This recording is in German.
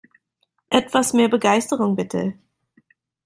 Etwas mehr Begeisterung, bitte!